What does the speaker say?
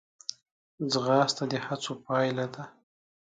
ځغاسته د هڅو پایله ده